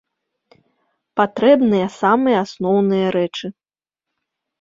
Патрэбныя самыя асноўныя рэчы.